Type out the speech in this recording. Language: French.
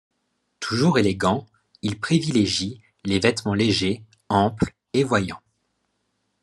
Toujours élégants, ils privilégient les vêtements légers, amples et voyants.